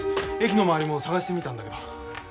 駅の周りも捜してみたんだけど。